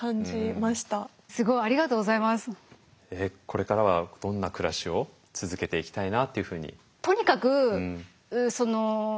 これからはどんな暮らしを続けていきたいなっていうふうに？